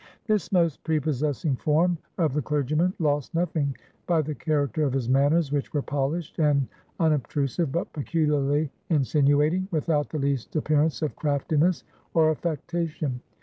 This most prepossessing form of the clergyman lost nothing by the character of his manners, which were polished and unobtrusive, but peculiarly insinuating, without the least appearance of craftiness or affectation.